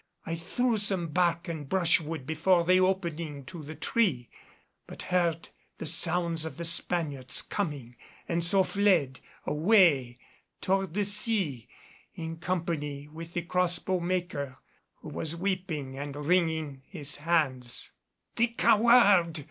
I threw some bark and brush wood before the opening to the tree, but heard the sounds of the Spaniards coming and so fled away toward the sea in company with the crossbow maker, who was weeping and wringing his hands " "The coward!"